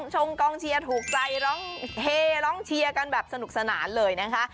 ชงกองเชียร์ถูกใจร้องเฮร้องเชียร์กันแบบสนุกสนานเลยนะคะ